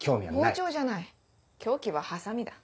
包丁じゃない凶器はハサミだ。